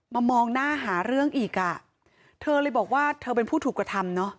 มองหน้าหาเรื่องอีกอ่ะเธอเลยบอกว่าเธอเป็นผู้ถูกกระทำเนอะ